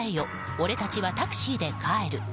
俺たちはタクシーで帰る！